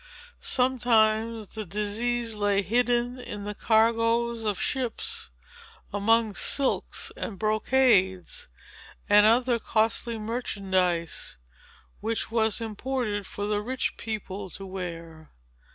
Sometimes, the disease lay hidden in the cargoes of ships, among silks and brocades, and other costly merchandise, which was imported for the rich people to wear.